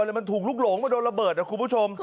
แล้วมันถูกหลุกหลงไปโดนระเบิดอะคุณผู้ชม